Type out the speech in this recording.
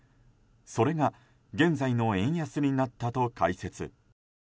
それが、現在の円安になったと解説。